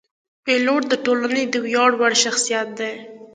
پیلوټ د ټولنې د ویاړ وړ شخصیت دی.